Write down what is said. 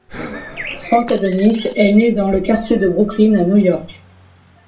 Frank Adonis est né dans le quartier de Brooklyn à New York.